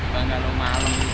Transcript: bangga loh malam gitu